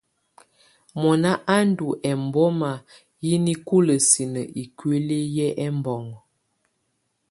Mɔna á ndù ɛmbɔma yǝ nikulǝ sinǝ ikuili yɛ ɛbɔŋɔ.